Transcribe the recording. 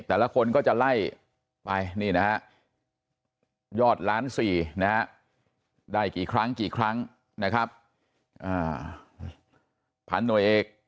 แต่ละคนก็จะไล่ไปนี่นะยอดล้านสี่นะได้กี่ครั้งพันหน่วยเอก